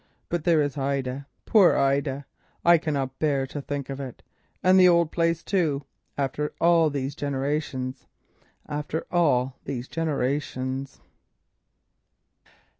But there is Ida. Poor Ida! I cannot bear to think of it, and the old place too, after all these generations—after all these generations!"